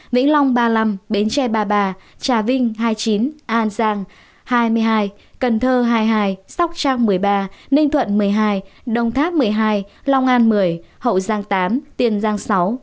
vĩnh long ba mươi năm bến tre ba mươi ba trà vinh hai mươi chín an giang hai mươi hai cần thơ hai mươi hai sóc trang một mươi ba ninh thuận một mươi hai đồng tháp một mươi hai long an một mươi hậu giang tám tiền giang sáu